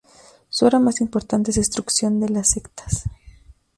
Su obra más importante es "Destrucción de las sectas".